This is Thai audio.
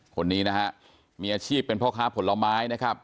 คนนี้นะฮะมีอาชีพเป็นพ่อค้าผลไม้นะครับ